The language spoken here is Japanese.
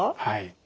はい。